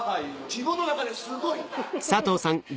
自分の中ですごい。